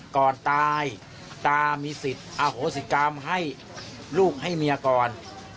ก่อนตายตามีสิทธิ์อโหสิกรรมให้ลูกให้เมียก่อน